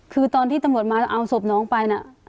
คือตอนที่ตำรวจมาเอาศพน้องไปนะ